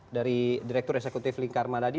dari direktur eksekutif lingkar madadi